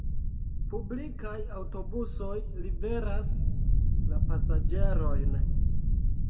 Publikaj aŭtobusoj liveras la pasaĝerojn.